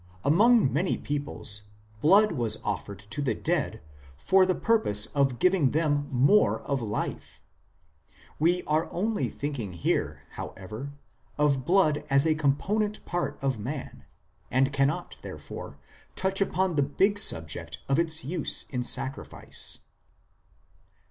Among many peoples blood was offered to the dead for the purpose of giving them more of " life." 2 We are only thinking here, however, of blood as a component part of man, and cannot, therefore, touch upon the big subject of its use in sacrifice.